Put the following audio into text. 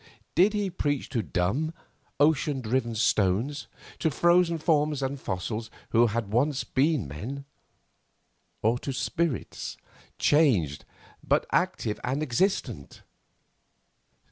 Did he preach to dumb, ocean driven stones, to frozen forms and fossils who had once been men, or to spirits, changed, but active and existent?